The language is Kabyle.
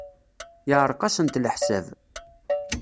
Yeɛreq-asent leḥsab.